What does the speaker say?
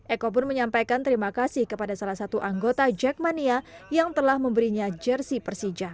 eko pun menyampaikan terima kasih kepada salah satu anggota jackmania yang telah memberinya jersi persija